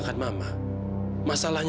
kamu ada masalah